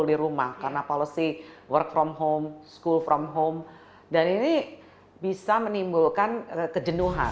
di rumah karena policy work from home school from home dan ini bisa menimbulkan kejenuhan